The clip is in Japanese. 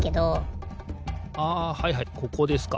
あはいはいここですか。